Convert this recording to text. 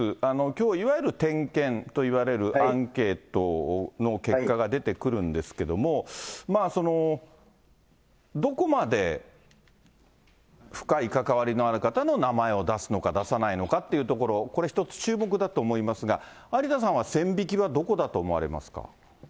きょう、いわゆる点検といわれるアンケートの結果が出てくるんですけども、どこまで深い関わりのある方の名前を出すのか出さないのかっていうところ、これ一つ注目だと思いますが、有田さんは線引きはどこだと思われますか。